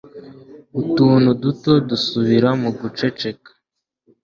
utuntu duto dusubira mu guceceka